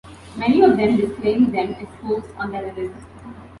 Many of them disclaimed them as "spoofs" on terrorism.